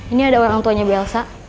ini ada orang tuanya delsa